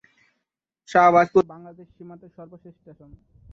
শাহবাজপুর বাংলাদেশ সীমান্তের সর্বশেষ স্টেশন।